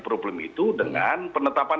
problem itu dengan penetapan